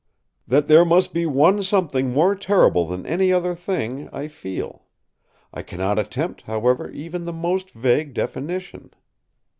That there must be one Something more terrible than any other thing, I feel. I cannot attempt, however, even the most vague definition.